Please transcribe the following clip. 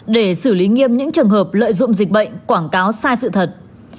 để xử lý nghiêm những trường hợp lợi dụng dịch bệnh quảng cáo sai sự thật